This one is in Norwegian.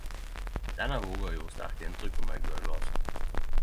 Denne boka gjorde sterkt inntrykk på meg då eg las den.